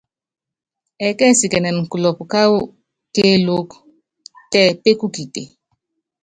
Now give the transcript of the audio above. Ɛɛ́kɛsikɛnɛn kulɔpu káwú kéelúku tɛ pékukite.